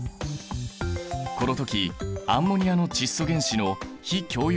この時アンモニアの窒素原子の非共有